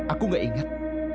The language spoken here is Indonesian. aku tidak ingat